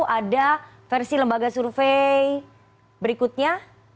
ada versi lembaga survei berikutnya